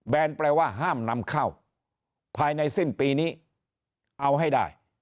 แปลว่าห้ามนำเข้าภายในสิ้นปีนี้เอาให้ได้